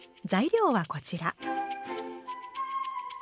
材料はこちら。